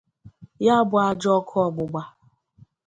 Ya bụ ajọ ọkụ ọgbụgba